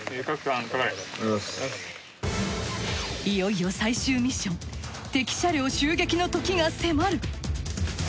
いよいよ最終ミッション敵車両襲撃のときが迫る。